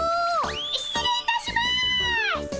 失礼いたします！